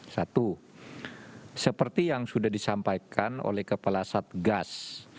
satu seperti yang sudah disampaikan oleh kepala satgas